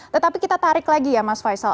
tetapi kita tarik lagi ya mas faisal